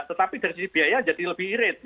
tetapi dari sisi biaya jadi lebih irit